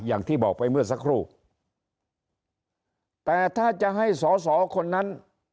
อย่างที่บอกไปเมื่อสักครู่แต่ถ้าจะให้สอสอคนนั้น